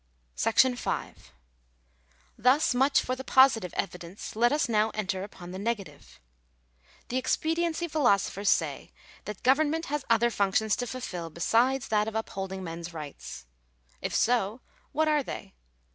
§5. Thus much for the positive evidence : let us now enter upon the negative. The expediency philosophers say that govern ment has other functions to fulfil besides that of upholding men's rights. If so, what are they